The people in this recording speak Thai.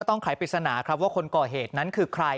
ไขปริศนาครับว่าคนก่อเหตุนั้นคือใคร